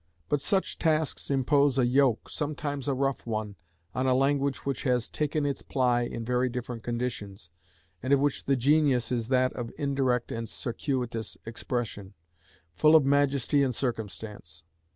But such tasks impose a yoke, sometimes a rough one, on a language which has "taken its ply" in very different conditions, and of which the genius is that of indirect and circuitous expression, "full of majesty and circumstance."